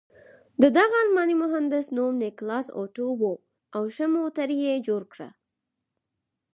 د دغه الماني مهندس نوم نیکلاس اتو و او ښه موټر یې جوړ کړ.